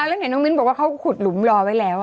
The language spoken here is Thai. แล้วเห็นน้องมิ้นบอกว่าเขาขุดหลุมรอไว้แล้ว